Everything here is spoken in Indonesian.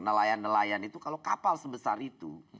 nelayan nelayan itu kalau kapal sebesar itu